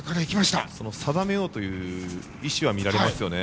定めようという意思は見られますよね。